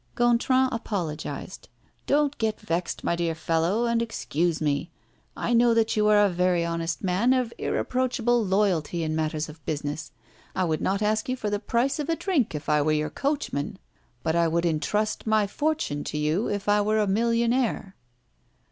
Gontran apologized: "Don't get vexed, my dear fellow, and excuse me! I know that you are a very honest man of irreproachable loyalty in matters of business. I would not ask you for the price of a drink if I were your coachman; but I would intrust my fortune to you if I were a millionaire."